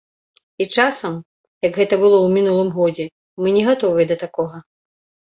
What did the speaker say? І часам, як гэта было ў мінулым годзе, мы не гатовыя да такога.